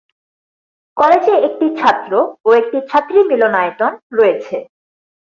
কলেজে একটি ছাত্র ও একটি ছাত্রী মিলনায়তন রয়েছে।